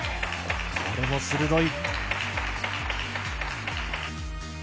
これも鋭い。